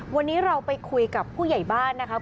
วันนี้เราไปคุยกับผู้ใหญ่บ้านนะครับ